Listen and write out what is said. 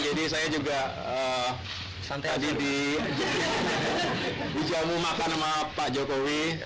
jadi saya juga tadi di jamu makan sama pak jokowi